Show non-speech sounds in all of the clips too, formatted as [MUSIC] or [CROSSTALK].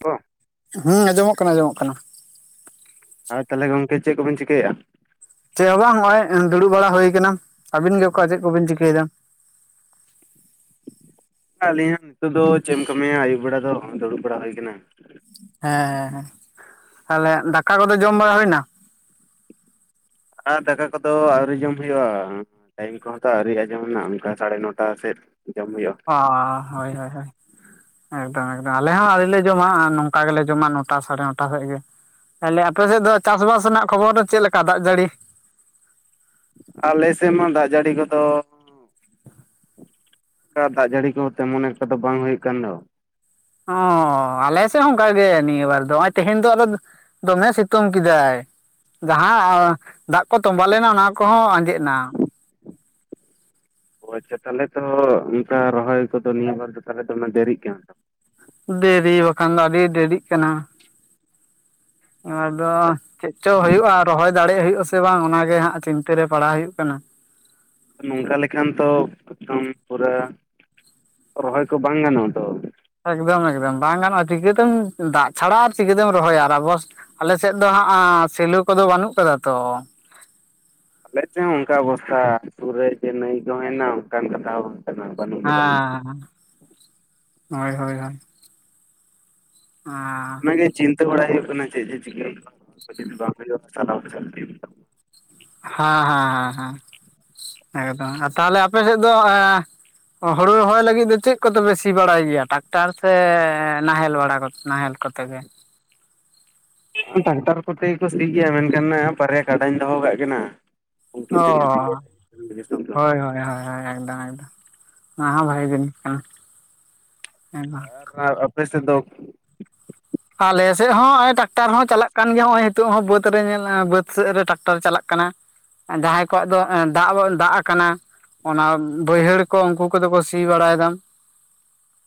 ᱛᱚᱸ ᱦᱚᱸ ᱟᱸᱚᱢᱚᱜ ᱠᱟᱱᱟ ᱟᱸᱚᱢᱚᱜ ᱠᱟᱱᱟ᱾ ᱟᱫᱚ ᱛᱟᱦᱞᱮ ᱜᱚᱝᱠᱮ ᱪᱮᱜ ᱠᱚᱵᱤᱱ ᱪᱤᱠᱟᱹᱭᱮᱜᱼᱟ? ᱪᱮᱫ ᱦᱚᱸ ᱵᱟᱝ ᱢᱟᱱᱮ ᱫᱩᱲᱩᱵ ᱵᱟᱲᱟ ᱦᱩᱭ ᱟᱠᱟᱱᱟ ᱟᱵᱤᱱ ᱜᱮ ᱚᱠᱚ ᱪᱮᱫ ᱠᱚᱵᱤᱱ ᱪᱤᱠᱟᱹᱭ ᱮᱫᱟ? ᱟᱹᱞᱤᱧᱟᱜ ᱱᱤᱛᱚᱜ ᱫᱚ ᱪᱮᱫ ᱮᱢ ᱠᱟᱹᱢᱤᱭᱟ ᱟᱹᱭᱩᱵ ᱵᱮᱲᱟ ᱫᱚ ᱫᱩᱲᱩᱵ ᱵᱟᱲᱟ ᱦᱩᱭ ᱟᱠᱟᱱᱟ᱾ ᱦᱮᱸ ᱦᱮᱸ ᱛᱟᱦᱚᱞᱮ ᱫᱟᱠᱟ ᱠᱚᱫᱚ ᱡᱚᱢ ᱵᱟᱲᱟ ᱦᱩᱭ ᱮᱱᱟ? ᱟᱨ ᱫᱟᱠᱟ ᱠᱚᱫᱚ ᱟᱹᱣᱨᱤ ᱡᱚᱢ ᱦᱩᱭᱩᱜᱼᱟ᱾ ᱴᱟᱭᱤᱢ ᱠᱚᱦᱚᱸ ᱛᱚ ᱟᱹᱣᱨᱤ ᱟᱸᱡᱚᱢ ᱮᱱᱟ ᱚᱝᱠᱟ ᱥᱟᱲᱮ ᱱᱚᱴᱟ ᱥᱮᱫ ᱡᱚᱢ ᱦᱩᱭᱩᱜᱼᱟ᱾ ᱚᱸ ᱦᱳᱭ ᱦᱳᱭ ᱦᱳᱭ ᱮᱠᱫᱚᱢ ᱮᱠᱫᱚᱢ ᱟᱞᱮ ᱦᱚᱸ ᱟᱹᱰᱤ ᱞᱮ ᱡᱚᱢᱟ ᱟᱨ ᱱᱚᱝᱠᱟ ᱜᱮᱞᱮ ᱡᱚᱢᱟ ᱱᱚᱴᱟ ᱥᱟᱲᱮ ᱱᱚᱴᱟ ᱥᱮᱫ ᱜᱮ᱾ ᱛᱟᱦᱚᱞᱮ ᱟᱯᱮᱥᱮᱫ ᱫᱚ ᱪᱟᱥ ᱵᱟᱥ ᱨᱮᱱᱟᱜ ᱠᱷᱚᱵᱚᱨ ᱫᱚ ᱪᱮᱫ ᱞᱮᱠᱟ ᱫᱟᱜ ᱡᱟᱹᱲᱤ? ᱟᱞᱮᱥᱮᱫ ᱢᱟ ᱫᱟᱜ ᱡᱟᱹᱲᱤ ᱠᱚᱫᱚ ᱠᱟ ᱫᱟᱜ ᱡᱟᱹᱲᱤ ᱠᱚ ᱛᱮᱢᱚᱱ ᱮᱠᱴᱟ ᱫᱚ ᱵᱟᱝ ᱦᱩᱭᱩᱜ ᱠᱟᱱ ᱫᱚ᱾ ᱚ ᱟᱞᱮᱥᱮᱫ ᱚᱱᱠᱟ ᱜᱮ ᱱᱤᱭᱟᱹ ᱵᱟᱨ ᱫᱚ ᱱᱚᱜᱚᱭ ᱛᱮᱦᱮᱧ ᱫᱚ ᱫᱚᱢᱮ ᱥᱤᱛᱩᱝ ᱠᱮᱫᱟᱭ᱾ ᱡᱟᱦᱟᱸ ᱫᱟᱜ ᱠᱚ ᱛᱚᱵᱟ ᱞᱮᱱᱟ ᱚᱱᱟ ᱠᱚᱦᱚᱸ ᱟᱸᱡᱮᱫ ᱮᱱᱟ᱾ ᱚ ᱟᱪᱪᱷᱟ ᱛᱟᱦᱚᱞᱮ ᱛᱚ ᱚᱱᱠᱟ ᱨᱚᱦᱚᱭ ᱠᱚᱫᱚ ᱱᱤᱭᱟᱹ ᱵᱟᱨ ᱫᱚ ᱛᱟᱦᱮᱸ ᱫᱚ ᱚᱱᱟ ᱫᱮᱨᱤᱜ ᱠᱟᱱᱟ ᱛᱚ? ᱫᱮᱨᱤ ᱵᱟᱠᱷᱟᱱ ᱫᱚ ᱟᱹᱰᱤ ᱫᱮᱨᱤᱜ ᱠᱟᱱᱟ᱾ ᱮᱵᱟᱨ ᱫᱚ ᱪᱮᱫ ᱪᱚ ᱦᱩᱭᱩᱜᱼᱟ ᱨᱚᱦᱚᱭ ᱫᱟᱲᱮ ᱦᱩᱭᱩᱜᱼᱟᱥᱮ ᱥᱮ ᱵᱟᱝ ᱚᱱᱟ ᱜᱮ ᱦᱟᱸᱜ ᱪᱤᱱᱛᱟᱹ ᱨᱮ ᱯᱟᱲᱟᱣ ᱦᱩᱭᱩᱜ ᱠᱟᱱᱟ᱾ ᱱᱚᱝᱠᱟ ᱞᱮᱠᱟᱱ ᱛᱚ ᱯᱚᱪᱷᱚᱢ ᱯᱩᱨᱟᱹ ᱨᱚᱦᱚᱭ ᱠᱚ ᱵᱟᱝ ᱜᱟᱱᱚᱜᱼᱟ ᱛᱚ᱾ ᱮᱠᱫᱚᱢ ᱮᱠᱫᱚᱢ ᱵᱟᱝ ᱜᱟᱱᱚᱜᱼᱟ ᱪᱤᱠᱟᱹᱛᱮᱢ ᱫᱟᱜ ᱪᱷᱟᱲᱟ ᱟᱨ ᱪᱤᱠᱟᱹᱛᱮᱢ ᱨᱚᱦᱚᱭᱟ ᱟᱨᱵᱚᱥ ᱟᱞᱮᱥᱮᱫ ᱫᱚ ᱦᱟᱸᱜ ᱥᱮᱞᱚ ᱠᱚᱫᱚ ᱵᱟᱹᱱᱩᱜ ᱟᱠᱟᱫᱟ ᱛᱚ᱾ ᱟᱞᱮ ᱪᱮᱫ ᱦᱚᱸ ᱚᱝᱠᱟ ᱚᱵᱚᱥᱛᱟ ᱥᱩᱨ ᱨᱮ ᱪᱮ ᱱᱟᱹᱭ ᱠᱚ ᱦᱮᱱᱟᱜ ᱚᱝᱠᱟᱱ ᱠᱟᱛᱷᱟ ᱦᱚᱸ ᱵᱟᱝ᱾ ᱠᱟᱱᱟ ᱵᱟᱹᱱᱩᱜ ᱜᱮ ᱵᱟᱹᱱᱩᱜ ᱦᱮᱸ ᱦᱳᱭ ᱦᱳᱭ ᱦᱳᱭ᱾ ᱟᱨ ᱮ ᱪᱤᱱᱛᱟᱹ ᱵᱟᱲᱟᱭ ᱦᱩᱭᱩᱜ ᱠᱟᱱᱟ ᱪᱮᱫ ᱡᱮ ᱪᱤᱠᱟᱹ ᱦᱩᱭᱩᱜᱼᱟ [UNINTELLIGIBLE] ᱡᱚᱫᱤ ᱵᱟᱝ ᱦᱩᱭᱩᱜᱼᱟ [UNINTELLIGIBLE] ᱦᱟᱸ ᱦᱟᱸ ᱦᱟᱸ ᱦᱟᱸ ᱮᱠᱫᱚᱢ ᱟ ᱛᱟᱦᱞᱮ ᱟᱯᱮ ᱥᱮᱫ ᱫᱚ ᱮᱸ ᱦᱩᱲᱩ ᱨᱚᱦᱚᱭ ᱞᱟᱹᱜᱤᱫ ᱫᱚ ᱪᱮᱜ ᱠᱚᱛᱮ ᱯᱮ ᱥᱤ ᱵᱟᱲᱟᱭ ᱜᱮᱭᱟ ᱴᱟᱠᱴᱟᱨ ᱥᱮ ᱱᱟᱦᱮᱞ ᱵᱟᱲᱟ ᱱᱟᱦᱮᱞ? ᱠᱟᱛᱮ ᱜᱮ᱾ ᱴᱟᱠᱴᱟᱨ ᱠᱚᱛᱮ ᱜᱮ ᱠᱚ ᱥᱤᱭ ᱜᱮᱭᱟ ᱢᱮᱱᱠᱷᱟᱱ ᱵᱟᱨᱭᱟ ᱠᱟᱰᱟᱧ ᱫᱚᱦᱚ ᱠᱟᱜ ᱠᱤᱱᱟ᱾ ᱩᱱᱠᱤᱱ ᱚ ᱛᱮᱜᱮ ᱥᱤ ᱦᱩᱭᱩᱜᱼᱟ᱾ ᱦᱳᱭ ᱦᱳᱭ ᱦᱳᱭ ᱮᱠᱫᱚᱢ ᱮᱠᱫᱚᱢ᱾ ᱚᱱᱟ ᱦᱚᱸ ᱵᱷᱟᱜᱤ ᱡᱟᱹᱱᱤᱥ ᱠᱟᱱᱟ ᱦᱮᱸᱢᱟ ᱟᱨ ᱟᱯᱮ ᱥᱮᱫ ᱫᱚ ᱟᱞᱮ ᱥᱮᱫ ᱦᱚᱸ ᱱᱚᱜ ᱚᱭ ᱴᱟᱠᱴᱟᱨ ᱦᱚᱸ ᱪᱟᱞᱟᱜ ᱠᱟᱱᱟ ᱱᱚᱜ ᱚᱭ ᱱᱤᱛᱚᱜ ᱦᱚᱸ ᱵᱟᱹᱫ ᱨᱮ ᱧᱮᱞ ᱵᱟᱹᱫ ᱥᱮᱫ ᱨᱮ ᱴᱟᱠᱴᱟᱨ ᱪᱟᱞᱟᱜ ᱠᱟᱱᱟ ᱡᱟᱦᱟᱸᱭ ᱠᱚᱣᱟᱜ ᱫᱚ ᱫᱟᱜ ᱜᱚᱫ ᱫᱟᱜ ᱟᱠᱟᱱᱟ ᱚᱱᱟ ᱵᱟᱹᱭᱦᱟᱹᱲ ᱠᱚ ᱩᱱᱠᱩ ᱠᱚᱫᱚ ᱠᱚ ᱥᱤ ᱵᱟᱲᱟᱭᱮᱫᱟ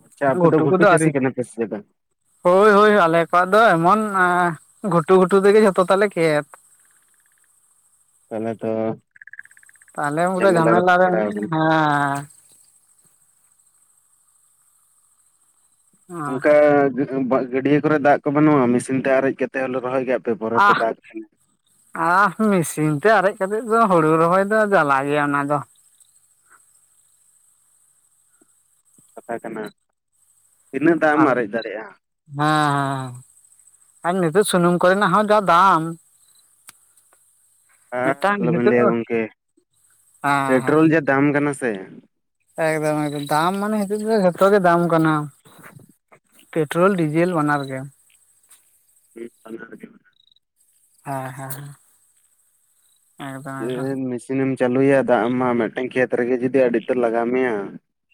ᱟᱪᱪᱷᱟ ᱟᱯᱮ ᱫᱚ ᱜᱷᱩᱴᱩ ᱠᱚᱫᱚ ᱟᱹᱣᱨᱤ ᱪᱟᱹᱥᱤ ᱠᱟᱱᱟ ᱯᱮ ᱥᱮ ᱵᱟᱝ ᱦᱳᱭ ᱦᱳᱭ ᱟᱞᱮ ᱠᱚᱣᱟᱜ ᱫᱚ ᱮᱢᱚᱱ ᱜᱷᱩᱴᱩ ᱜᱷᱩᱴᱩ ᱛᱮᱜᱮ ᱡᱷᱚᱛᱚ ᱛᱟᱞᱮ ᱠᱷᱮᱛ ᱛᱟᱦᱚᱞᱮ ᱛᱚ ᱛᱟᱦᱚᱞᱮ ᱩᱱ ᱨᱮ ᱡᱷᱟᱢᱮᱞᱟ ᱨᱮᱯᱮ ᱜᱮ ᱯᱟᱲᱟᱣ ᱢᱮᱱᱟᱜ-ᱟ ᱠᱟᱱᱟ ᱦᱮᱸ ᱚᱱᱠᱟ ᱜᱟᱹᱰᱤᱭᱟᱹ ᱠᱚᱨᱮ ᱫᱟᱜ ᱠᱚ ᱵᱟᱹᱱᱩᱜᱼᱟ ᱢᱮᱥᱤᱱ ᱛᱮ ᱟᱨᱮᱡ ᱠᱟᱛᱮᱫ ᱦᱚᱞᱮ ᱨᱚᱦᱚᱭ ᱜᱮᱭᱟ ᱟᱯᱮ ᱦᱟᱯᱮ ᱯᱚᱨᱮ ᱛᱮ ᱫᱟᱜ ᱠᱷᱟᱱᱮ ᱟ ᱢᱮᱥᱤᱱ ᱛᱮ ᱟᱨᱮᱡ ᱠᱟᱛᱮᱜ ᱫᱚ ᱦᱩᱲᱩ ᱨᱚᱦᱚᱭ ᱫᱚ ᱡᱟᱞᱟ ᱜᱮᱭᱟ ᱚᱱᱟ ᱫᱚ᱾ ᱠᱟᱛᱷᱟ ᱠᱟᱱᱟ ᱛᱤᱱᱟᱹᱜ ᱫᱟᱜ ᱮᱢ ᱟᱨ ᱟᱨᱮᱡ ᱫᱟᱲᱮᱭᱟᱜᱼᱟ ᱦᱮᱸ ᱦᱮᱸ ᱟᱨ ᱱᱤᱛᱚᱜ ᱥᱩᱱᱩᱢ ᱠᱚᱨᱮᱱᱟᱜ ᱦᱚᱸ ᱡᱟ ᱫᱟᱢ ᱟᱨ ᱢᱤᱫᱴᱟᱝ ᱟᱞᱚᱵᱤᱱ ᱱᱤᱛᱚᱜ ᱞᱟᱹᱭᱟ ᱦᱮᱸ ᱜᱚᱝᱠᱮ ᱦᱮᱸ ᱯᱮᱴᱨᱳᱞ ᱡᱟ ᱫᱟᱢ ᱠᱟᱱᱟ ᱥᱮ ᱮᱠᱫᱚᱢ ᱮᱠᱫᱚᱢ ᱫᱟᱢ ᱢᱟᱱᱮ ᱱᱤᱸᱛᱚᱜ ᱫᱚ ᱡᱷᱚᱛᱚ ᱜᱮ ᱫᱟᱢ ᱠᱟᱱᱟ [INAUDIBLE] ᱯᱮᱴᱨᱳᱞ ᱰᱤᱡᱮᱞ ᱵᱟᱱᱟᱨ ᱜᱮ ᱦᱮᱸ ᱵᱟᱱᱟᱨ ᱜᱮ ᱦᱮᱸ ᱦᱮᱸ ᱦᱮᱸ [UNINTELLIGIBLE] ᱢᱮᱥᱤᱱᱮᱢ ᱪᱟᱹᱞᱩᱭᱟ ᱫᱟᱜ ᱮᱢ ᱮᱢᱟᱜ-ᱟ ᱢᱤᱫᱴᱮᱱ ᱠᱷᱮᱛ ᱨᱮᱜᱮ ᱡᱩᱫᱤ ᱟᱹᱰᱤ ᱩᱛᱟᱹᱨ ᱞᱟᱜᱟᱣ ᱢᱮᱭᱟ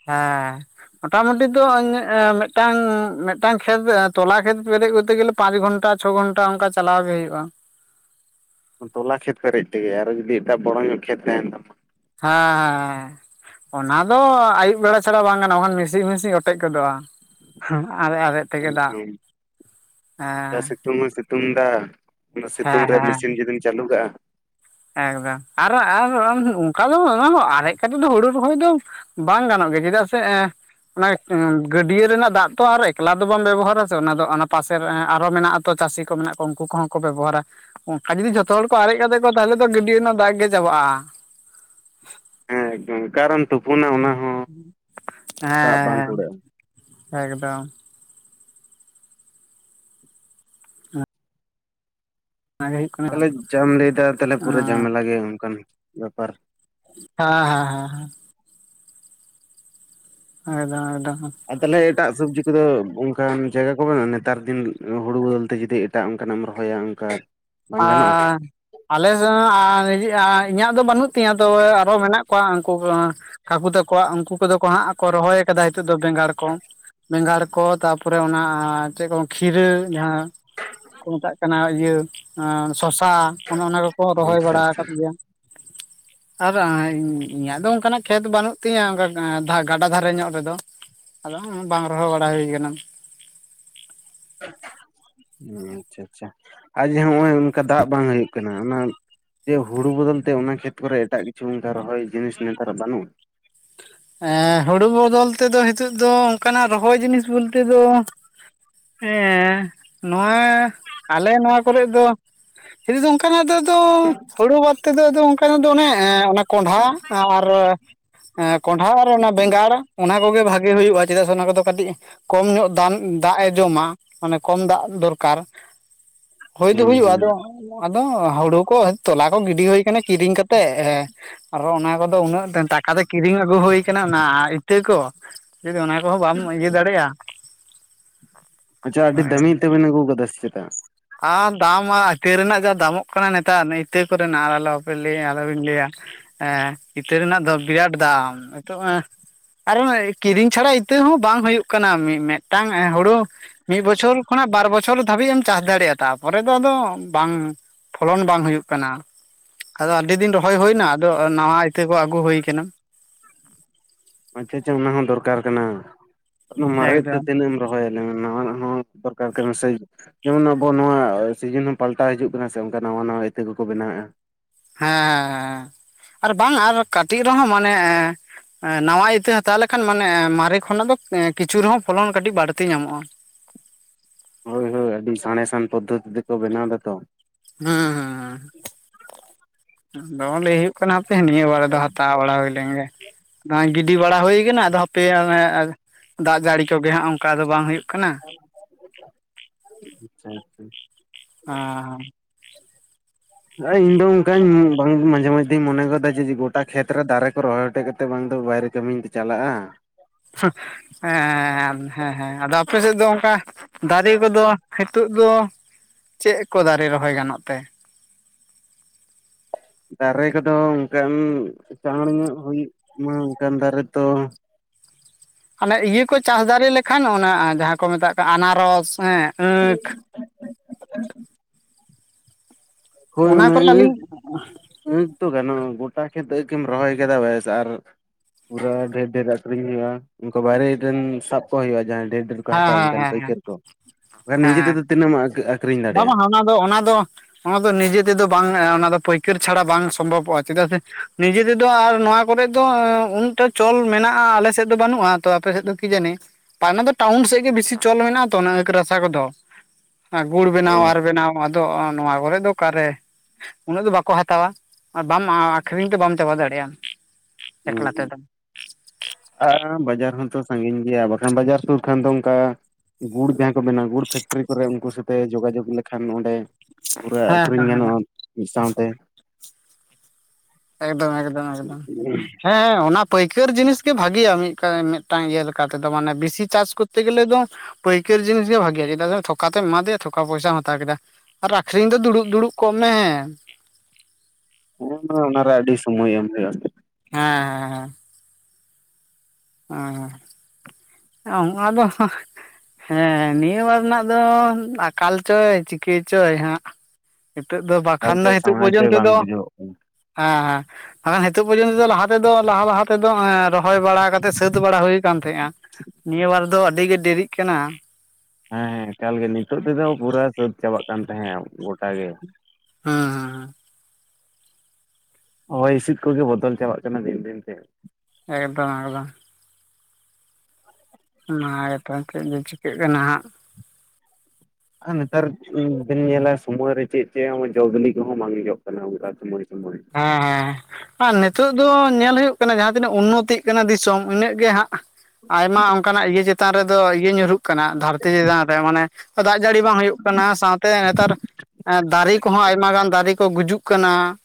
ᱦᱮᱸ ᱢᱚᱴᱟᱢᱩᱴᱤ ᱫᱚ ᱢᱤᱫᱴᱟᱝ ᱢᱤᱫᱴᱟᱝ ᱠᱷᱮᱛ ᱛᱚᱞᱟ ᱠᱷᱮᱛ ᱵᱮᱨᱮᱫ ᱠᱚᱨᱛᱮ ᱜᱮᱞᱮ ᱯᱟᱸᱪ ᱜᱷᱚᱱᱴᱟ ᱪᱷᱚ ᱜᱷᱚᱱᱴᱟ ᱚᱱᱠᱟ ᱪᱟᱞᱟᱣ ᱜᱮ ᱦᱩᱭᱩᱜᱼᱟ ᱛᱚᱞᱟ ᱠᱷᱮᱛ ᱯᱮᱨᱮᱡ ᱛᱮᱜᱮ ᱟᱨᱚ ᱡᱩᱫᱤ ᱮᱴᱟᱜ ᱵᱚᱲᱚ ᱧᱚᱜ ᱠᱷᱮᱛ ᱛᱟᱸᱦᱮᱱ ᱛᱟᱢᱟ ᱦᱮᱸ ᱦᱮᱸᱻ ᱚᱱᱟ ᱫᱚ ᱟᱹᱭᱩᱵ ᱵᱮᱲᱟ ᱪᱷᱟᱲᱟ ᱵᱟᱝ ᱜᱟᱱᱚᱜ-ᱟ ᱢᱮᱥᱤᱱ ᱢᱤᱥᱤᱱ ᱚᱴᱮᱡ ᱜᱚᱫᱚᱜᱼᱟ [UNINTELLIGIBLE] ᱟᱨᱮᱡ ᱟᱨᱮᱡ ᱛᱮᱜᱮ ᱫᱟᱜ [UNINTELLIGIBLE] ᱦᱮᱸ ᱡᱟ ᱥᱤᱛᱩᱝ ᱮ ᱥᱤᱛᱩᱝ ᱮᱫᱟ ᱚᱱᱟ ᱥᱤᱛᱩᱝ ᱦᱮᱸ ᱨᱮ ᱦᱮᱸ ᱢᱮᱥᱤᱱ ᱡᱩᱫᱤᱢ ᱪᱟᱹᱞᱩ ᱠᱟᱜᱼᱟ ᱮᱠᱫᱚᱢ ᱟᱨ ᱟᱨ ᱚᱱᱠᱟ ᱫᱚ ᱵᱟᱝᱟ ᱟᱨᱮᱡ ᱠᱟᱛᱮᱫ ᱫᱚ ᱦᱩᱲᱩ ᱨᱚᱦᱚᱭ ᱫᱚ ᱵᱟᱝ ᱜᱟᱱᱚᱜ ᱜᱮᱭᱟ ᱪᱮᱫᱟᱜ ᱥᱮ ᱮᱸ ᱚᱱᱟ ᱜᱟᱹᱰᱤᱭᱟᱹ ᱨᱮᱱᱟᱜ ᱫᱟᱜ ᱛᱚ ᱟᱨ ᱮᱠᱞᱟ ᱫᱚ ᱵᱟᱢ ᱵᱮᱵᱚᱦᱟᱨᱟ ᱥᱮ ᱚᱱᱟ ᱫᱚ ᱚᱱᱟ ᱯᱟᱥᱮ ᱨᱮ ᱟᱨᱦᱚᱸ ᱢᱮᱱᱟᱜ ᱟᱛᱚ ᱛᱚ ᱪᱟᱹᱥᱤ ᱠᱚ ᱢᱮᱱᱟᱜ ᱠᱚᱣᱟ ᱩᱱᱠᱩ ᱠᱚᱦᱚᱸ ᱠᱚ ᱵᱮᱵᱚᱦᱟᱨᱟ ᱚᱱᱠᱟ ᱡᱩᱫᱤ ᱡᱷᱚᱛᱚ ᱦᱚᱲ ᱠᱚ ᱟᱨᱮᱡ ᱠᱟᱛᱮᱫ ᱛᱟᱦᱚᱞᱮ ᱛᱚ ᱜᱟᱹᱰᱤᱭᱟᱹ ᱨᱮᱱᱟᱜ ᱫᱟᱜ ᱜᱮ ᱪᱟᱵᱟᱜᱼᱟ ᱦᱮᱸ ᱮᱠᱫᱚᱢ ᱚᱠᱟᱨᱮᱢ ᱛᱩᱯᱩᱱᱟ ᱚᱱᱟ ᱦᱚᱸ ᱫᱟᱜ ᱵᱟᱝ ᱦᱮᱸ ᱠᱩᱲᱟᱹᱜᱼᱟ ᱦᱮᱸ ᱮᱠᱫᱚᱢ ᱚᱱᱟᱜᱮ ᱦᱩᱭᱩᱜ ᱠᱟᱱᱟ ᱛᱟᱦᱞᱮ ᱦᱮᱸ ᱡᱟᱢ ᱞᱟᱹᱭᱮᱫᱟ ᱛᱟᱦᱞᱮ ᱯᱩᱨᱟᱹ ᱡᱷᱟᱢᱮᱞᱟ ᱜᱮᱭᱟ ᱚᱱᱠᱟᱱ ᱵᱮᱯᱟᱨ ᱦᱮᱸ ᱦᱮᱸ ᱦᱮᱸ ᱮᱠᱫᱚᱢ ᱮᱠᱫᱚᱢ ᱟᱨ ᱛᱟᱦᱚᱞᱮ ᱮᱴᱟᱜ ᱥᱚᱵᱡᱤ ᱠᱚᱫᱚ ᱚᱱᱠᱟᱱ ᱡᱟᱭᱜᱟ ᱠᱚ ᱢᱮᱱᱟᱜᱼᱟ ᱱᱮᱛᱟᱨ ᱫᱤᱱ ᱦᱩᱲᱩ ᱵᱚᱫᱚᱞ ᱛᱮ ᱡᱩᱫᱤ ᱮᱴᱟᱜ ᱚᱱᱠᱟ ᱱᱟᱜ ᱮᱢ ᱨᱚᱦᱚᱭᱟ ᱚᱱᱠᱟ ᱵᱟᱝ ᱟ ᱜᱟᱱᱚᱜᱼᱟ ᱟᱞᱮ ᱥᱮᱫ ᱤᱧᱟᱹᱜ ᱫᱚ ᱵᱟᱹᱱᱩᱜ ᱛᱤᱧᱟᱹ ᱛᱚᱵᱮ ᱟᱨᱦᱚᱸ ᱢᱮᱱᱟᱜ ᱠᱚᱣᱟ ᱩᱱᱠᱩ ᱠᱟᱠᱩ ᱛᱟᱠᱚᱣᱟ ᱩᱱᱠᱩ ᱠᱚᱫᱚ ᱠᱚ ᱦᱟᱸᱜ ᱠᱚ ᱨᱚᱦᱚᱭ ᱟᱠᱟᱫᱟ ᱱᱤᱛᱚᱜ ᱫᱚ ᱵᱮᱸᱜᱟᱲ ᱠᱚ ᱵᱮᱸᱜᱟᱲ ᱠᱚ ᱛᱟᱯᱚᱨ ᱛᱟᱯᱚᱨᱮ ᱚᱱᱟ ᱪᱮᱫ ᱠᱚ ᱠᱷᱤᱨᱟᱹ ᱡᱟᱦᱟ ᱠᱚ ᱢᱮᱛᱟᱜ ᱠᱟᱱᱟ ᱤᱭᱟᱹ ᱥᱚᱥᱟ ᱚᱱᱮ ᱚᱱᱟ ᱠᱚᱠᱚ ᱨᱚᱦᱚᱭ ᱟᱪᱪᱷᱟ ᱵᱟᱲᱟ ᱟᱠᱟᱫ ᱜᱮᱭᱟ [INAUDIBLE] ᱟᱨ ᱤᱧᱟᱹᱜ ᱫᱚ ᱚᱱᱠᱟᱱᱟᱜ ᱠᱷᱮᱛ ᱵᱟᱹᱱᱩᱜ ᱛᱤᱧᱟᱹ ᱚᱱᱠᱟ ᱜᱟᱰᱟ ᱫᱷᱟᱨᱮ ᱧᱚᱜ ᱨᱮᱫᱚ ᱟᱫᱚ ᱵᱟᱝ ᱨᱚᱦᱚᱭ ᱵᱟᱲᱟ ᱦᱩᱭ ᱟᱠᱟᱱᱟ ᱟᱪᱪᱷᱟ ᱟᱪᱪᱷᱟ ᱟᱨᱮ ᱦᱚᱸᱜᱼᱚᱭ ᱚᱱᱠᱟ ᱫᱟᱜ ᱵᱟᱝ ᱦᱩᱭᱩᱜ ᱠᱟᱱᱟ ᱚᱱᱟ ᱡᱮ ᱦᱩᱲᱩ ᱵᱚᱫᱚᱞᱛᱮ ᱚᱱᱟ ᱠᱷᱮᱛ ᱠᱚᱨᱮ ᱮᱴᱟᱜ ᱠᱤᱪᱷᱩ ᱚᱱᱠᱟ ᱨᱚᱦᱚᱭ ᱡᱤᱱᱤᱥ ᱱᱮᱛᱟᱨᱟᱜ ᱵᱟᱹᱱᱩᱜᱼᱟ᱾ ᱦᱮᱸ ᱦᱩᱲᱩ ᱵᱚᱫᱚᱞ ᱛᱮᱫᱚ ᱱᱤᱛᱚᱜ ᱫᱚ ᱚᱱᱠᱟᱱᱟᱜ ᱨᱚᱦᱚᱭ ᱡᱤᱱᱤᱥ ᱵᱚᱞᱛᱮ ᱫᱚ ᱦᱮᱸ ᱱᱚᱣᱟ ᱟᱞᱮ ᱱᱚᱣᱟ ᱠᱚᱨᱮ ᱫᱚ [UNINTELLIGIBLE] ᱚᱱᱠᱟᱱᱟᱜ ᱫᱚ ᱟᱫᱚ ᱦᱩᱲᱩ ᱵᱟᱫ ᱠᱟᱛᱮᱫᱚ ᱚᱱᱠᱟᱱᱟᱜ ᱫᱚ ᱚ. ᱱᱮ, ᱠᱚᱸᱰᱷᱟ ᱟᱨ ᱮᱸ ᱦ ᱠᱚᱸᱰᱷᱟ ᱟᱨ ᱚᱱᱟ ᱵᱮᱸᱜᱟᱲ ᱚᱱᱟ ᱠᱚᱜᱮ ᱵᱷᱟᱜᱮ ᱦᱩᱭᱩᱜᱼᱟ ᱪᱮᱫᱟᱜ ᱥᱮ ᱚᱱᱟ ᱠᱚᱫᱚ ᱠᱟᱹᱴᱤᱡ ᱠᱚᱢ ᱧᱚᱜ ᱫᱟᱱ ᱫᱟᱜ ᱮ ᱡᱚᱢᱟ ᱢᱟᱱᱮ ᱠᱚᱢ ᱫᱟᱜ ᱫᱚᱨᱠᱟᱨ᱾ [INAUDIBLE] ᱦᱳᱭ ᱫᱚ ᱦᱩᱸ ᱦᱩᱭᱩᱜᱼᱟ, ᱦᱩᱸ ᱟᱫᱚ ᱟᱫᱚ ᱦᱩᱲᱩ ᱠᱚ ᱛᱚᱞᱟ ᱠᱚ ᱜᱤᱰᱤ ᱦᱩᱭ ᱟᱠᱟᱱᱟ ᱠᱤᱨᱤᱧ ᱠᱟᱛᱮᱜ ᱦᱮ ᱟᱨᱚ ᱚᱱᱟ ᱠᱚᱫᱚ ᱩᱱᱟᱹᱜ ᱴᱟᱠᱟ ᱫᱚ ᱠᱤᱨᱤᱝ ᱟᱹᱜᱩ ᱦᱩᱭ ᱟᱠᱟᱱᱟ ᱚᱱᱟ ᱤᱛᱟᱹ ᱠᱚ ᱡᱩᱫᱤ ᱚᱱᱟ ᱠᱚᱦᱚᱸ ᱵᱟᱢ ᱤᱭᱟᱹ ᱫᱟᱲᱮᱭᱟᱜᱼᱟ᱾ ᱟᱪᱪᱷᱟ ᱟᱹᱰᱤ ᱦᱳᱭ ᱫᱟᱹᱢᱤ ᱛᱮᱵᱮᱱ ᱟᱹᱜᱩ ᱟᱠᱟᱫᱟ ᱥᱮ ᱪᱮᱫᱟᱜ? ᱟᱨ ᱫᱟᱢᱟ ᱤᱛᱟᱹ ᱨᱮᱱᱟᱜ ᱡᱟ ᱫᱟᱢᱚᱜ ᱠᱟᱱᱟ ᱱᱮᱛᱟᱨ ᱤᱛᱟᱹ ᱠᱚᱨᱮᱱᱟᱜ ᱟᱞᱚᱯᱮ ᱞᱟᱹᱭᱟ ᱟᱞᱚᱵᱤᱱ ᱞᱟᱹᱭᱟ᱾ ᱦᱮᱸ ᱤᱛᱟᱹ ᱨᱮᱱᱟᱜ ᱫᱚ ᱵᱤᱨᱟᱴ ᱫᱟᱢ ᱱᱤᱛᱚᱜ ᱮᱸ ᱟᱨ ᱚᱱᱮ ᱠᱤᱨᱤᱧ ᱪᱷᱟᱲᱟ ᱤᱛᱟᱹ ᱦᱚᱸ ᱵᱟᱝ ᱦᱩᱭᱩᱜ ᱠᱟᱱᱟ ᱢᱮᱜᱴᱟᱝ ᱦᱳᱲᱳ ᱢᱤᱜ ᱵᱚᱪᱷᱚᱨ ᱠᱷᱚ ᱵᱟᱨ ᱵᱚᱪᱷᱚᱨ ᱫᱷᱟᱵᱤᱡ ᱮᱢ ᱪᱟᱥ ᱫᱟᱲᱮᱭᱟᱜᱼᱟ᱾ [UNINTELLIGIBLE] ᱛᱟᱨ ᱯᱚᱨᱮ ᱫᱚ ᱟᱫᱚ ᱵᱟᱝ ᱯᱷᱚᱞᱚᱱ ᱵᱟᱝ ᱦᱩᱭᱩᱜ ᱠᱟᱱᱟ᱾ ᱟᱫᱚ ᱟᱹᱰᱤ ᱫᱤᱱ ᱨᱚᱦᱚᱭ ᱦᱳᱱᱟ ᱟᱫᱚ ᱱᱟᱣᱟ ᱤᱛᱟᱹ ᱠᱚ ᱟᱹᱜᱩ ᱦᱳ ᱟᱠᱟᱱᱟ᱾ ᱟᱪᱪᱷᱟ ᱟᱪᱷᱟ ᱚᱱᱟ ᱦᱚᱸ ᱫᱚᱨᱠᱟᱨ ᱠᱟᱱᱟ, ᱢᱟᱨᱮ ᱤᱛᱟ ᱮᱠᱫᱚᱢ ᱛᱤᱱᱟᱹᱜ ᱮᱢ ᱨᱚᱦᱚᱭᱟᱞᱮ ᱱᱟᱣᱟ ᱱᱟᱜ ᱦᱚᱸ ᱫᱚᱨᱠᱟᱨ ᱠᱟᱱᱟ ᱥᱮ, ᱡᱮᱢᱚᱱ ᱟᱵᱚ ᱱᱚᱣᱟ ᱥᱤᱡᱛᱱ ᱦᱚᱸ ᱯᱟᱞᱴᱟᱣ ᱦᱤᱡᱩᱜ ᱠᱟᱱᱟ ᱥᱮ ᱚᱱᱠᱟ ᱱᱟᱣᱟ ᱱᱟᱣᱟ ᱤᱛᱟᱹ ᱠᱚᱠᱚ ᱵᱮᱱᱟᱣᱮᱫᱼᱟ᱾ ᱦᱮᱸ ᱟᱨ ᱵᱟᱝ ᱟᱨ ᱠᱟᱹᱴᱤᱡ ᱨᱮᱦᱚᱸ ᱢᱟᱱᱮ ᱮ ᱱᱟᱣᱟ ᱤᱛᱟᱹ ᱦᱟᱛᱟᱣ ᱞᱮᱠᱷᱟᱱ ᱢᱟᱱᱮ ᱢᱟᱨᱮ ᱠᱷᱚᱱᱟᱜ ᱫᱚ ᱠᱤᱪᱷᱩ ᱨᱮᱦᱚᱸ ᱯᱷᱚᱞᱚᱱ ᱠᱟᱹᱴᱤᱡ ᱵᱟᱹᱲᱛᱤ ᱧᱟᱢᱚᱜᱼᱟ᱾ ᱦᱳᱭ ᱦᱳᱭ ᱟᱹᱰᱤ ᱥᱟᱬᱮᱥᱟᱱ ᱯᱚᱫᱽᱫᱷᱚᱛᱤ ᱛᱮᱠᱚ ᱵᱮᱱᱟᱣ ᱫᱟᱛᱚᱰ᱾ ᱦᱩᱸ ᱦᱩᱸ ᱦᱩᱸ ᱫᱚᱢᱮ ᱞᱟᱹᱭ ᱦᱳᱭᱳᱜ ᱠᱟᱱᱟ ᱦᱠᱯᱮ ᱱᱤᱭᱟᱹ ᱵᱟᱲᱟ ᱫᱚ ᱦᱟᱛᱟᱣ ᱵᱟᱲᱟ ᱦᱩᱭ ᱞᱮᱱ ᱜᱮ, ᱟᱫᱚ ᱜᱤᱰᱤ ᱵᱟᱲᱟ ᱦᱩᱭ ᱠᱟᱱᱟ ᱟᱫᱚ ᱯᱮᱭᱟ ᱫᱟᱜ ᱡᱟᱹᱲᱤ ᱠᱚᱜᱮ ᱦᱟᱸᱜ ᱚᱱᱠᱟ ᱫᱚ ᱵᱟᱝ ᱦᱩᱭᱩᱜ ᱠᱟᱱᱟ, [INAUDIBLE] ᱟᱪᱪᱷᱟ ᱟᱪᱪᱷᱟ [UNINTELLIGIBLE] ᱤᱧ ᱫᱚ ᱚᱱᱠᱟᱧ ᱢᱟᱡᱷᱮ ᱢᱟᱡᱫᱷᱮᱧ ᱢᱚᱱᱮ ᱜᱚᱫᱟ ᱡᱮ ᱜᱚᱴᱟ ᱠᱷᱮᱛᱨᱮ ᱫᱟᱨᱮ ᱠᱚ ᱨᱚᱦᱚᱭ ᱦᱚᱴᱮᱡ ᱠᱟᱛᱮ ᱵᱟᱝ ᱫᱚ ᱵᱟᱭᱨᱮ ᱠᱟᱹᱢᱤᱧ ᱛᱮ ᱪᱟᱞᱟᱜᱼᱟ ᱮᱸ ᱦᱮᱸ ᱦᱮᱸ ᱟᱫᱚ ᱟᱯᱮ ᱥᱮᱫ ᱫᱚ ᱚᱱᱠᱟ ᱫᱟᱨᱮ ᱠᱚᱫᱚ ᱦᱤᱛᱚᱜ ᱫᱚ ᱪᱮᱫ ᱠᱚ ᱫᱟᱨᱮ ᱨᱚᱦᱚᱭ ᱜᱟᱱᱚᱜ ᱛᱮ, ᱫᱟᱨᱮ ᱠᱚᱫᱚ ᱚᱱᱠᱟᱱ ᱪᱟᱬ ᱧᱚᱜ ᱦᱩᱭᱩᱜ ᱢᱟ ᱚᱱᱠᱟᱱ ᱫᱟᱨᱮ ᱫᱚ, ᱟᱱᱮ ᱤᱭᱟᱹ ᱠᱚ ᱪᱟᱥ ᱫᱟᱲᱮ ᱞᱮᱠᱷᱟᱱ ᱚᱱᱟ ᱡᱟᱦᱟᱸ ᱠᱚ ᱢᱮᱛᱟᱜ ᱠᱟᱱᱟ ᱟᱱᱟᱨᱚᱥ ᱦᱮᱸ ᱟᱸᱠᱷ, [UNINTELLIGIBLE] ᱟ. ᱚᱱᱟ ᱠᱚᱨᱮ ᱟᱹᱞᱤᱧ ᱠᱷ ᱜᱟᱱᱚᱜ ᱜᱚᱴᱟ ᱠᱷᱮᱛ ᱟ. ᱠᱮᱢ ᱨᱚᱦᱚᱭ ᱠᱮᱫᱟ ᱵᱮᱥ ᱟᱨ, ᱯᱩᱨᱟᱹ ᱰᱷᱮᱨ ᱰᱷᱮᱨ ᱟᱠᱷᱨᱤᱧ ᱦᱳᱭᱳᱜᱼᱟᱠᱩ ᱵᱟᱭᱨᱮ ᱥᱟᱵ ᱠᱚ ᱦᱳᱭᱳᱜᱼᱟ ᱡᱟᱦᱟᱸ ᱰᱷᱮ ᱠᱚ ᱦᱮᱸ ᱦᱟᱛᱟᱣᱟ ᱦᱮᱸ ᱚᱱᱠᱟᱱ ᱦᱮᱸ ᱦᱮᱸ ᱯᱟᱹᱭᱠᱟᱹᱨ ᱠᱚ, ᱵᱟᱠᱷᱟᱱ ᱱᱤᱡᱮ ᱦᱮᱸ ᱛᱮᱫᱚ ᱛᱤᱱᱟᱹᱜ ᱮᱢ ᱟᱠᱷᱨᱤᱧ ᱵᱟᱝ ᱫᱟᱲᱮᱭᱟᱜᱼᱟ᱾ ᱵᱟᱝ ᱚᱱᱟ ᱫᱚ ᱚᱱᱟ ᱫᱚ ᱚᱱᱟ ᱫᱚ ᱱᱤᱡᱮ ᱛᱮᱫᱚ ᱵᱟᱝ ᱚᱱᱟ ᱫᱚ ᱯᱟᱹᱭᱠᱟᱹᱨ ᱪᱷᱟᱲᱟ ᱵᱟᱝ ᱥᱚᱢᱵᱷᱚᱵᱚᱜᱼᱟ ᱪᱮᱫᱟᱜ ᱥᱮ ᱱᱤᱡᱮ ᱛᱮᱫᱚ ᱟᱨ ᱱᱚᱣᱟ ᱠᱚᱨᱮ ᱫᱚ ᱩᱱᱟᱹᱜᱴᱟ ᱪᱚᱞ ᱢᱮᱱᱟᱜᱼᱟ᱾ ᱟᱞᱮᱥᱮᱫ ᱫᱚ ᱵᱟᱹᱱᱩᱜᱼᱟ ᱛᱚ ᱟᱯᱮ ᱥᱮᱫ ᱫᱚ ᱠᱤ ᱡᱟᱹᱱᱤᱡ᱾ ᱯᱟᱱᱟ ᱫᱚ ᱴᱟᱣᱩᱱ ᱥᱮᱫ ᱜᱮ ᱵᱤᱥᱤ ᱪᱚᱞ ᱢᱮᱱᱟᱜ ᱟ ᱛᱚ ᱚᱱᱟ ᱟᱹᱠ ᱨᱟᱥᱟ ᱠᱚᱫᱚ ᱜᱩᱲ ᱚ ᱵᱮᱱᱟᱣ ᱟᱨ ᱵᱮᱱᱟᱣ ᱟᱫᱚ ᱱᱚᱣᱟ ᱠᱚᱨᱮ ᱫᱚ ᱚᱠᱟᱨᱮ᱾ ᱩᱱᱟᱹᱜ ᱫᱚ ᱵᱟᱠᱚ ᱦᱟᱛᱟᱣᱟ ᱟᱨ ᱵᱟᱢ ᱟᱠᱷᱨᱤᱧ ᱛᱮ ᱵᱟᱢ ᱪᱟᱵᱟ ᱫᱟᱲᱮᱭᱟᱜᱼᱟ᱾ ᱦᱩᱸ ᱮᱠᱞᱟ ᱦᱩᱸ ᱛᱮᱫᱚ ᱮ ᱵᱟᱡᱟᱨ ᱦᱚᱸᱛᱚ ᱥᱟᱺᱜᱤᱧ ᱜᱮᱭᱟ ᱵᱟᱠᱷᱟᱱ ᱵᱟᱡᱟᱨ ᱥᱩᱨ ᱠᱷᱟᱱ ᱫᱚ ᱚᱱᱠᱟ ᱜᱩᱲ ᱡᱟᱦᱟᱸ ᱠᱚ ᱢᱮᱱᱟ ᱜᱩᱲ ᱯᱷᱮᱠᱴᱨᱤ ᱠᱚᱨᱮ ᱩᱱᱠᱩ ᱥᱟᱛᱮ ᱡᱳᱜᱟᱡᱳᱜᱽ ᱞᱮᱠᱷᱟᱱ ᱚᱸᱰᱮ ᱯᱩᱨᱟᱹ ᱦᱮᱸ ᱦᱮᱸ ᱟᱹᱠᱷᱨᱤᱧ ᱜᱟᱱᱚᱜᱼᱟ ᱢᱤᱫ ᱥᱟᱶᱛᱮ᱾ ᱮᱠᱫᱚᱢ ᱮᱠᱫᱚᱢ ᱮᱠᱫᱚᱢ ᱦᱮᱸ ᱚᱱᱟ ᱯᱟᱹᱭᱠᱟᱹᱨ ᱡᱤᱱᱤᱥ ᱜᱮ ᱵᱷᱟᱜᱮᱭᱟ ᱢᱤᱫ ᱢᱤᱫᱴᱟᱝ ᱤᱭᱟᱹ ᱞᱮᱠᱟᱛᱮᱫᱚ ᱢᱟᱱᱮ ᱵᱤᱥᱤ ᱪᱟᱥ ᱠᱚᱨᱛᱮ ᱜᱮᱞᱮ ᱫᱚ ᱯᱟᱹᱭᱠᱟᱹᱨ ᱡᱤᱱᱤᱥ ᱜᱮ ᱵᱷᱟᱜᱮᱭᱟ, ᱪᱮᱫᱟᱜ ᱥᱮ ᱛᱷᱚᱠᱟᱛᱮᱢ ᱮᱢᱟ ᱫᱮᱭᱟ ᱛᱷᱚᱠᱟ ᱯᱚᱭᱥᱟᱢ ᱦᱟᱛᱟᱣ ᱠᱮᱫᱟ ᱾ ᱟᱨ ᱟᱠᱷᱨᱤᱧ ᱫᱚ ᱫᱩᱲᱩᱵ ᱫᱩᱲᱩᱵ ᱠᱚᱜ ᱢᱮ ᱾ ᱦᱮᱸ ᱚᱱᱟᱨᱮ ᱟᱹᱰᱤ ᱥᱚᱢᱳᱚᱭ ᱮᱢ ᱦᱩᱭᱩᱜᱼᱟ ᱾ ᱦᱮᱸ ᱦᱮᱸᱻ ᱦᱸ ᱚᱝᱹ ᱟᱫᱚ ᱦᱮᱸ ᱱᱤᱭᱟᱹ ᱵᱟᱨ ᱨᱮᱱᱟᱜ ᱫᱚ ᱟᱠᱟᱞ ᱪᱚᱭ ᱪᱤᱠᱟᱹᱭ ᱪᱚᱭ ᱦᱟᱸᱜ ᱾ ᱱᱤᱛᱚᱜ ᱫᱚ ᱮᱠᱟᱞ ᱵᱟᱠᱷᱟᱱ ᱫᱚ ᱪᱮ ᱱᱤᱛᱚᱜ ᱥᱟᱶᱟᱭ ᱪᱮ ᱯᱚᱨᱡᱚᱱᱛᱮ ᱵᱟᱝ ᱫᱚ, ᱵᱩᱡᱷᱟᱹᱣᱚᱜ ᱠᱟᱱᱟ ᱦᱮᱸ ᱦᱮᱸᱟᱱ ᱱᱤᱛᱚᱜ ᱯᱚᱨᱡᱚᱱᱛᱚ ᱞᱟᱦᱟ ᱛᱮᱫᱚ ᱞᱟᱦᱟ ᱞᱟᱦᱟ ᱛᱮᱫᱚ ᱮᱸ ᱨᱚᱦᱚᱭ ᱵᱟᱲᱟ ᱠᱟᱛ ᱛᱮ ᱥᱟᱹᱛ ᱵᱟᱲᱟ ᱦᱩᱭ ᱟᱠᱟᱱ ᱛᱟᱦᱮᱸᱜᱼᱟ, ᱱᱤᱭᱟᱹ ᱵᱟᱨ ᱫᱚ ᱟᱹᱰᱤ ᱜᱮ ᱰᱮᱨᱤᱜ ᱠᱟᱱᱟ ᱾ ᱦᱮᱸ ᱦᱮᱸ ᱮᱠᱟᱞ ᱜᱮ ᱱᱤᱛᱳᱜ ᱛᱮᱫᱚ ᱯᱩᱨᱟᱹ ᱥᱟᱹᱛ ᱪᱟᱵᱟᱜ ᱠᱟᱱ ᱛᱟᱦᱮᱸᱫ ᱜᱚᱴᱟ ᱜᱮ ᱾ ᱦᱮᱸ ᱦᱮᱸ ᱦᱮᱸ ᱦᱚᱳᱭ ᱦᱤᱸᱥᱤᱫ ᱠᱚᱜᱮ ᱵᱚᱫᱚᱞ ᱪᱟᱞᱵᱟᱜ ᱠᱟᱱᱟ ᱫᱤᱱ ᱫᱤᱱ ᱛᱮ ᱾ ᱮᱠᱫᱚᱢ ᱮᱠᱫᱚᱢ ᱚᱱᱟ ᱜᱮᱛᱚ ᱪᱮᱫ ᱜᱮ ᱪᱤᱠᱟᱹᱜ ᱠᱟᱱᱟ ᱦᱟᱸᱜ ᱾ ᱟᱨ ᱱᱮᱛᱟᱨ ᱵᱮᱱ ᱧᱮᱞᱟ ᱥᱚᱢᱚᱭ ᱨᱮ ᱪᱮᱫ ᱪᱮᱫ ᱡᱚ ᱵᱞᱤ ᱠᱚᱦᱚᱸ ᱵᱟᱝᱧᱚᱜ ᱠᱟᱱᱟᱼᱟ, ᱥᱚᱢᱚᱭ ᱥᱚᱢᱚᱭ ᱦᱮᱸ ᱦᱮᱸᱸ ᱟᱨ ᱱᱤᱛᱳᱜ ᱫᱚ ᱧᱮᱞ ᱦᱩᱭᱩᱜ ᱠᱟᱱᱟ, ᱡᱟᱦᱟᱸ ᱛᱤᱱᱟᱹᱜ ᱩᱱᱚᱛᱤᱜ ᱠᱟᱱᱟ ᱫᱤᱥᱚᱢ ᱤᱱᱟᱹᱜ ᱜᱮ ᱦᱟᱸᱜ, ᱟᱭᱢᱟ ᱚᱱᱠᱟᱱᱟᱜ ᱤᱭᱟᱹ ᱪᱮᱛᱟᱱ ᱨᱮᱫᱚ ᱤᱭᱟᱹ ᱧᱩᱨᱦᱩᱜ ᱠᱟᱱᱟ, ᱫᱷᱟᱹᱨᱛᱤ ᱪᱮᱛᱟᱱ ᱨᱮ ᱢᱟᱱᱮ ᱫᱟᱜ ᱡᱟᱹᱲᱤ ᱵᱟᱝ ᱦᱩᱭᱩᱜ ᱠᱟᱱᱟ, ᱥᱟᱶᱛᱮ ᱱᱮᱛᱟᱨ ᱫᱟᱨᱮ ᱠᱚᱦᱚᱸ ᱟᱭᱢᱟ ᱜᱟᱱ ᱫᱟᱨᱮ ᱠᱚ ᱜᱩᱡᱩᱜ ᱠᱟᱱᱟ ᱾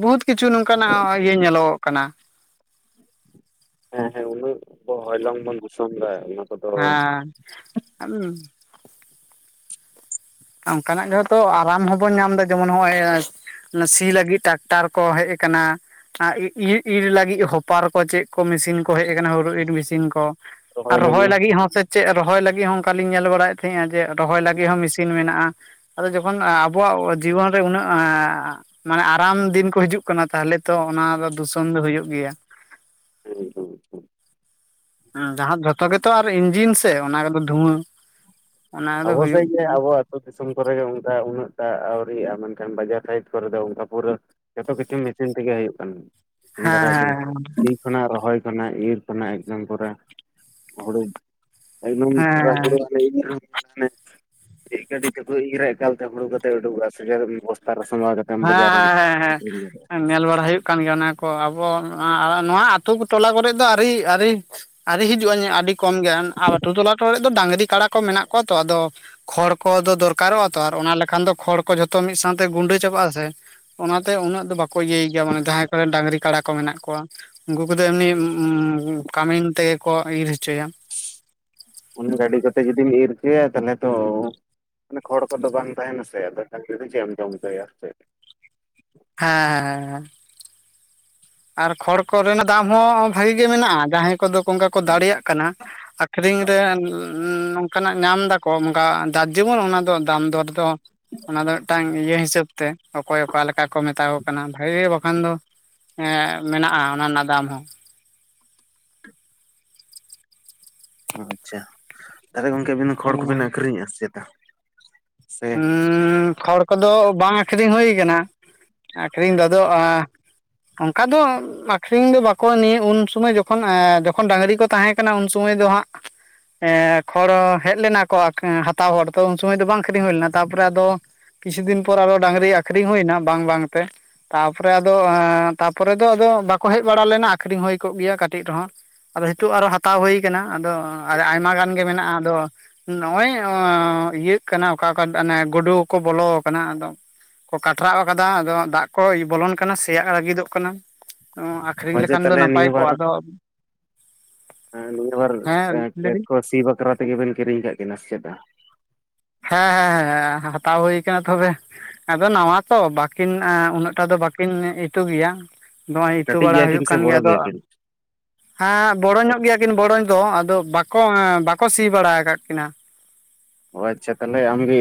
ᱵᱚᱦᱩᱛ ᱠᱤᱪᱷᱩ ᱱᱚᱝᱠᱟᱱᱟᱜ ᱤᱭᱟᱹ ᱧᱮᱞᱚᱜᱚᱜ ᱠᱟᱱᱟ ᱾ ᱦᱮᱸ ᱦᱮᱸ ᱩᱱᱟᱹᱜ ᱦᱚᱭᱞᱚᱝ ᱵᱚᱱ ᱜᱩᱥᱚᱱ ᱞᱮ ᱦᱮᱸ [UNINTELLIGIBLE] ᱚᱱᱠᱟᱱᱟᱜ ᱡᱚᱛᱚ ᱟᱨᱟᱢ ᱦᱚᱸᱵᱚᱱ ᱧᱟᱢ ᱮᱫᱟ ᱡᱮᱢᱚᱱ ᱱᱚᱜᱼᱚᱭ, ᱥᱤ ᱞᱟᱹᱜᱤᱫ ᱴᱨᱟᱠᱴᱟᱨ ᱠᱚ ᱦᱮᱡ ᱟᱠᱟᱱᱟ ᱾ ᱤᱨ ᱤᱨ ᱞᱟᱹᱜᱤᱫ ᱦᱚᱯᱟᱨ ᱠᱚ ᱪᱮᱫ, ᱢᱮᱥᱤᱱ ᱠᱚ ᱦᱮᱡ ᱟᱠᱟᱱᱟ ᱦᱩᱲᱩ ᱤᱨ ᱢᱮᱥᱤᱱ ᱠᱚ ᱟᱨ ᱨᱚᱦᱚᱭ ᱞᱟᱹᱜᱤᱫ ᱦᱚᱸ ᱥᱮ ᱪᱮᱫ ᱨᱚᱦᱚᱭ ᱞᱟᱹᱜᱤᱫ ᱦᱚᱸ ᱚᱱᱠᱟᱞᱤᱧ ᱧᱮᱞ ᱵᱟᱲᱟᱭᱮᱫ ᱛᱟᱦᱮᱸᱼᱟ ᱡᱮ ᱨᱚᱦᱚᱭ ᱞᱟᱹᱜᱤᱫ ᱦᱚᱸ ᱢᱮᱥᱤᱱ ᱢᱮᱱᱟᱜᱼᱟ ᱾ ᱟᱫᱚ ᱡᱚᱠᱷᱚᱱ ᱟᱵᱚᱣᱟᱜ ᱡᱤᱵᱚᱱ ᱨᱮ ᱩᱱᱟᱹᱜ [UNINTELLIGIBLE] ᱢᱟᱱᱮ ᱟᱨᱟᱢ ᱫᱤᱱ ᱠᱚ ᱦᱤᱡᱩᱜ ᱠᱟᱱᱟ, ᱛᱟᱦᱞᱮ ᱛᱚ ᱚᱱᱟ ᱫᱚ ᱫᱩᱥᱚᱱ ᱫᱚ ᱦᱩᱭᱩᱜ ᱜᱮᱭᱟ ᱾ [UNINTELLIGIBLE] ᱡᱟᱦᱟᱸ ᱡᱷᱚᱛᱚ ᱜᱮᱛᱚ ᱟᱨ ᱤᱧᱡᱤᱱ ᱥᱮ, ᱚᱱᱟᱫᱚ ᱫᱷᱩᱣᱟᱹ ᱾ ᱟᱵᱚ ᱥᱮᱡ ᱟᱵᱚᱣᱟ ᱛ ᱫᱤᱥᱚᱢ ᱠᱚᱨᱮᱜ ᱚᱱᱠᱟ ᱩᱱᱟᱹᱜ ᱴᱟᱜ ᱟᱹᱣᱨᱤᱜᱼᱟ, ᱢᱮᱱᱠᱷᱟᱱ ᱵᱟᱡᱟᱨ ᱥᱟᱭᱤᱰ ᱠᱚᱨᱮ ᱫᱚ ᱚᱱᱠᱟ ᱯᱩᱨᱟᱹ, ᱡᱚᱛᱚ ᱠᱤᱪᱷᱩ ᱢᱮᱥᱤᱱ ᱛᱮᱜᱮ ᱦᱩᱭᱩᱜ ᱠᱟᱱᱟ, ᱦᱮᱸ ᱤᱥᱤᱱ ᱫᱟᱨᱟᱭ ᱦᱮᱸ ᱛᱮᱜᱮ ᱠᱟᱱᱟ ᱨᱚᱦᱚᱭ ᱠᱟᱱᱟ, ᱤᱨ ᱠᱟᱱᱟ, ᱮᱠᱫᱚᱢ ᱯᱚᱨᱮ ᱦᱩᱲᱩ ᱮᱜᱫᱚᱢ ᱯᱩᱨᱟ ᱦᱮᱸ ᱦᱩᱲᱩ [UNINTELLIGIBLE] ᱢᱟᱱᱮ ᱤᱜ ᱜᱟᱹᱰᱤ ᱛᱮᱠᱚ ᱤᱨᱟ ᱮᱠᱟᱞᱛᱮ ᱦᱩᱲᱩ ᱠᱟᱛᱮ ᱩᱰᱩᱠᱚᱜᱼᱟ ᱥᱮ ᱵᱚᱥᱛᱟ ᱨᱮ ᱥᱚᱸᱟᱣ ᱠᱟᱛᱮ ᱦᱮᱸ ᱦᱮᱸ ᱦᱮᱸ ᱦᱮᱸ, ᱧᱮᱞ ᱵᱟᱲᱟ ᱦᱩᱭᱩᱜ ᱠᱟᱱ ᱜᱮᱭᱟ ᱚᱱᱟ ᱠᱚ ᱟᱵᱚ ᱱᱚᱣᱟ ᱟᱹᱛᱩ ᱴᱚᱞᱟ ᱠᱚᱨᱮ ᱫᱚ ᱟᱹᱨᱤ ᱟᱹᱨᱤ ᱟᱨᱤ ᱦᱤᱡᱩᱜ ᱟᱹᱧ ᱟᱹᱰᱤ ᱠᱚᱢ ᱜᱮᱭᱟ ᱟᱨ ᱟᱛᱩ ᱴᱚᱞᱟ ᱴᱚᱨᱮ ᱫᱚ ᱰᱟᱹᱟᱝᱨᱤ ᱠᱟᱰᱟ ᱠᱚ ᱢᱮᱱᱟᱜ ᱠᱚᱣᱟ ᱛᱚ, ᱟᱫᱚ ᱠᱷᱚᱲ ᱠᱚᱫᱚ ᱫᱚᱨᱠᱟᱨᱚᱜᱼᱟ ᱛᱚ, ᱟᱨ ᱚᱱᱟ ᱞᱮᱠᱷᱟᱱ ᱫᱚ ᱠᱷᱚᱲ ᱠᱚ ᱡᱷᱚᱛᱚ ᱢᱤᱫ ᱥᱟᱶᱛᱮ ᱜᱩᱸᱰᱟᱹᱭ ᱪᱟᱵᱟᱜᱼᱟ ᱥᱮᱮ ᱚᱱᱟᱛᱮ ᱩᱱᱟᱹᱜ ᱫᱚ ᱵᱟᱠᱚ ᱤᱭᱟᱹᱭ ᱜᱮᱭᱟ ᱢᱟᱱᱮ ᱡᱟᱦᱟᱸᱭ ᱠᱚᱨᱮᱱ ᱰᱟᱝᱨᱤ ᱠᱟᱰᱟ ᱠᱚ ᱢᱮᱱᱟᱜ ᱠᱚᱣᱟ ᱾ ᱩᱱᱠᱩ ᱠᱚᱫᱚ ᱮᱢᱱᱤ ᱠᱟᱹᱢᱤ ᱛᱮᱜᱮ ᱠᱚ ᱤᱨ ᱦᱚᱪᱚᱭᱟ ᱾ ᱩᱱ ᱜᱟᱹᱰᱤ ᱠᱚᱛᱮ ᱡᱫᱤ ᱢᱤᱨᱪ ᱛᱟᱦᱚᱞᱮ ᱛᱚ ᱢᱟᱱᱮ ᱠᱷᱚᱲ ᱠᱚᱫᱚ ᱵᱟᱝ ᱛᱟᱦᱮᱱᱟ ᱥᱮ, ᱟᱫᱚ ᱰᱟᱝᱨᱤ ᱡᱚᱢ ᱪᱚᱭᱟ? ᱦᱮᱸ ᱦᱮᱸ ᱦᱮᱸᱻ ᱟᱨ ᱠᱷᱚᱲ ᱠᱚᱨᱮᱱᱟᱜ ᱫᱟᱢ ᱦᱚᱸ ᱵᱷᱟᱜᱤ ᱜᱮ ᱢᱮᱱᱟᱜᱼᱟ, ᱡᱟᱦᱟᱸᱭ ᱠᱚᱫᱚ ᱚᱱᱠᱟ ᱠᱚ ᱫᱟᱲᱮᱭᱟᱜ ᱠᱟᱱᱟ ᱾ ᱟᱠᱷᱨᱤᱧ ᱨᱮ ᱱᱚᱝᱠᱟᱱᱟᱜ ᱧᱟᱢ ᱫᱟᱠᱚ, ᱚᱱᱠᱟ ᱡᱟᱨ ᱡᱮᱢᱚᱱ ᱚᱱᱟ ᱫᱚ ᱫᱟᱢ ᱫᱚᱨ ᱫᱚ ᱾ ᱚᱱᱟ ᱫᱚ ᱢᱤᱫᱴᱟᱝ ᱤᱭᱟᱹ ᱦᱤᱥᱟᱹᱵ ᱛᱮ, ᱚᱠᱚᱭ ᱚᱠᱟ ᱞᱮᱠᱟ ᱠᱚ ᱢᱮᱛᱟᱣ ᱠᱟᱱᱟ, ᱵᱷᱟᱜᱤ ᱜᱮ ᱵᱟᱠᱷᱟᱱ ᱫᱚ ᱾ ᱮᱸ ᱢᱮᱱᱟᱜᱼᱟ ᱚᱱᱟ ᱨᱮᱱᱟᱜ ᱫᱟᱢ ᱦᱚᱸ᱾ ᱟᱪᱪᱷᱟ ᱛᱟᱦᱚᱞᱮ ᱜᱚᱝᱠᱮ ᱟᱹᱵᱤᱱ ᱠᱷᱚᱲ ᱠᱚᱵᱤᱱ ᱦᱚᱸ ᱟᱹᱠᱷᱨᱤᱧᱮᱜᱼᱟ ᱥᱮ ᱪᱮᱛᱟ? ᱥᱮ ᱩᱸ ᱠᱷᱚᱲ ᱠᱚᱫᱚ ᱵᱟᱝ ᱟᱠᱷᱨᱤᱧ ᱦᱩᱭᱩ ᱠᱟᱱᱟ, ᱟᱠᱷᱨᱤᱧ ᱫᱚ ᱟᱫᱚ ᱚᱱᱠᱟ ᱫᱚ ᱟᱠᱷᱨᱤᱧ ᱫᱚ ᱵᱟᱠᱚ ᱱᱤᱭᱟᱹ ᱩᱱ ᱥᱚᱢᱚᱭ ᱡᱚᱠᱷᱚᱱ ᱡᱚᱠᱷᱚᱱ ᱰᱟᱝᱝᱨᱤ ᱠᱚ ᱛᱟᱦᱮᱸ ᱠᱟᱱᱟ ᱩᱱ ᱥᱩᱚᱢᱚᱭ ᱫᱚ ᱦᱟᱸᱜ, ᱮ ᱠᱷᱚᱲ ᱦᱮᱡ ᱞᱮᱱᱟ ᱠᱚ ᱦᱟᱛᱟᱣ ᱦᱚᱲ ᱛᱚ ᱩᱱ ᱥᱚᱢᱚᱭ ᱫᱚ ᱵᱟᱝ ᱟᱹᱠᱷᱨᱤᱤᱧ ᱦᱩᱭ ᱞᱮᱱᱟ᱾ ᱛᱟᱨᱯᱚᱨᱮ ᱟᱫᱚ- ᱠᱤᱪᱷᱩ ᱫᱤᱱ ᱯᱚᱨ ᱟᱨᱚ ᱰᱟᱝᱨᱤ ᱟᱠᱷᱨᱤᱧ ᱦᱩᱭᱱᱟ ᱵᱟᱝ ᱵᱟᱝᱛᱮ ᱛᱟᱯᱚᱨᱮ ᱟᱫᱚ ᱛᱟᱯᱚᱨᱮ ᱫᱚ ᱟᱫᱚ ᱵᱟᱠᱚ ᱦᱮᱡ ᱵᱟᱲᱟ ᱞᱮᱱᱟ ᱟᱠᱷᱨᱤᱧ ᱦᱩᱭ ᱠᱚᱜ ᱜᱮᱭᱟ ᱠᱟᱹᱴᱤᱡ ᱨᱮᱦᱚᱸ᱾ ᱟᱫᱚ ᱱᱤᱛᱚᱜ ᱟᱨᱚ ᱦᱟᱛᱟᱣ ᱦᱩᱭ ᱠᱟᱱᱟ ᱟᱫᱚ ᱟᱭᱢᱟ ᱜᱟᱱ ᱜᱮ ᱢᱮᱱᱟᱜᱼᱟ᱾ ᱟᱫᱚ ᱱᱚᱜᱼ ᱚᱚᱭ ᱤᱭᱟᱹᱜ ᱠᱟᱱᱟ ᱚᱠᱟ ᱚᱠᱟ ᱚᱱᱮ ᱜᱩᱰᱩ ᱠᱚ ᱵᱚᱞᱚ ᱟᱠᱟᱱᱟ ᱟᱫᱚ ᱠᱚ ᱠᱟᱴᱨᱟᱣ ᱟᱠᱟᱫᱟ ᱟᱫᱚ ᱫᱟᱜ ᱠᱚ ᱵᱚᱞᱚᱱ ᱠᱟᱱᱟ ᱥᱮᱭᱟᱜ ᱞᱟᱹᱜᱤᱫᱚᱜ ᱠᱟᱱᱟ᱾ ᱟᱹᱠᱷᱨᱤᱧ ᱦᱚᱭ ᱡᱮ ᱞᱮᱠᱷᱟᱱ ᱫᱚ ᱛᱟᱦᱚᱞᱮ ᱱᱟᱯᱟᱭ ᱱᱤᱭᱟᱹ ᱵᱟᱨ ᱠᱚᱜᱼᱟ ᱟᱫᱚ ᱱᱤᱭᱟᱹ ᱵᱟᱨ ᱦᱮᱸ ᱞᱟᱹᱭ ᱠᱮᱛ ᱠᱚ ᱥᱤ ᱵᱟᱠᱷᱨᱟ ᱛᱮᱜᱮᱵᱤᱱ ᱠᱤᱨᱤᱧ ᱠᱟᱜ ᱠᱤᱱᱟᱹ ᱥᱮ ᱪᱮ ᱫᱟ᱾ ᱦᱮᱸ ᱦᱮᱸ ᱦᱮᱸ ᱦᱟᱛᱟᱣ ᱦᱩᱭ ᱠᱟᱱᱟ ᱛᱚᱵᱮ ᱟᱫᱚ ᱱᱟᱣᱟ ᱛᱚ ᱵᱟᱠᱤᱱ ᱩᱱᱟᱹᱜᱴᱟ ᱫᱚ ᱵᱟᱹᱠᱤᱱ ᱤᱛᱩ ᱜᱮᱭᱟ᱾ ᱱᱚᱜᱼᱚᱭ ᱤᱛᱩ ᱠᱟᱹᱴᱤᱡ ᱵᱟᱲᱟ ᱜᱮᱭᱟ ᱦᱩᱭᱩᱜ ᱠᱤᱱ ᱥᱮ ᱠᱟᱱ ᱵᱚᱲᱚ ᱜᱮᱭᱟ ᱛᱚ ᱠᱤᱱ ᱦᱮᱸ ᱵᱚᱲᱚᱧᱚᱜ ᱜᱮᱭᱟ ᱠᱤᱱ ᱵᱚᱲᱚᱡ ᱫᱚ ᱟᱫᱚ ᱵᱟᱠᱚᱸ ᱵᱟᱠᱚ ᱥᱤ ᱵᱟᱲᱟ ᱟᱠᱟᱫ ᱠᱤᱱᱟ᱾ ᱚ ᱟᱪᱪᱷᱟ ᱛᱟᱦᱚᱞᱮ ᱟᱢᱜᱮ